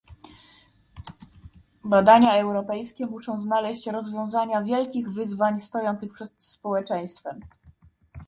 Badania europejskie muszą znaleźć rozwiązania wielkich wyzwań stojących przed społeczeństwem